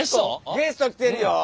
ゲスト来てるよ。